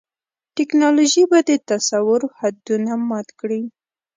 ټیکنالوژي به د تصور حدونه مات کړي.